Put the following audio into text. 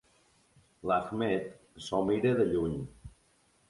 L'Ahmed s'ho mira de lluny.